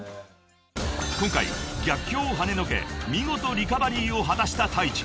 ［今回逆境をはねのけ見事リカバリーを果たしたＴａｉｃｈｉ］